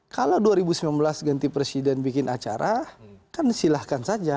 kalau dua ribu sembilan belas ganti presiden bikin acara kan silahkan saja